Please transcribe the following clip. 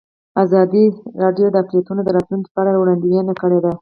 ازادي راډیو د اقلیتونه د راتلونکې په اړه وړاندوینې کړې.